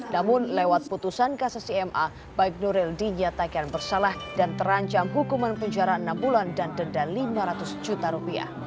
namun lewat putusan kasasi ma baik nuril dinyatakan bersalah dan terancam hukuman penjara enam bulan dan denda lima ratus juta rupiah